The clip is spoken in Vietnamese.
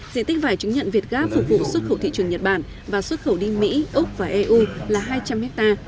diện tích vải chứng nhận việt gáp phục vụ xuất khẩu thị trường nhật bản và xuất khẩu đi mỹ úc và eu là hai trăm linh ha